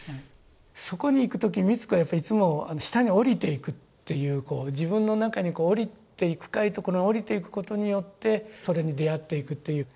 そこに行く時に美津子はやっぱりいつも下に下りていくっていう自分の中にこう下りて深い所に下りていくことによってそれに出会っていくという。